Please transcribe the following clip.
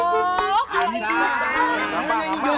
oh gila itu